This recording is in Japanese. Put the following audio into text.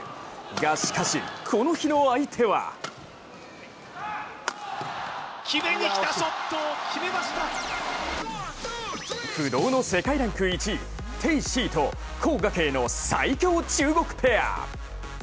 が、しかし、この日の相手は不動の世界ランク１位、鄭思緯と黄雅瓊の最強中国ペア。